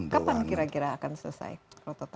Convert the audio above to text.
kapan kira kira akan selesai prototipe